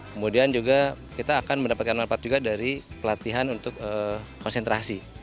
kemudian juga kita akan mendapatkan manfaat juga dari pelatihan untuk konsentrasi